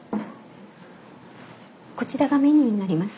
こちらがメニューになります。